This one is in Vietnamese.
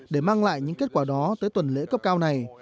và những kết quả đó tới tuần lễ cấp cao này